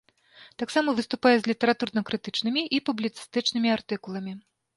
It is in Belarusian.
Таксама выступае з літаратурна-крытычнымі і публіцыстычнымі артыкуламі.